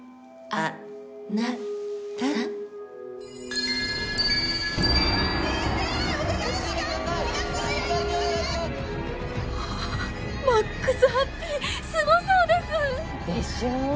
ああマックスハッピーすごそうです！でしょ？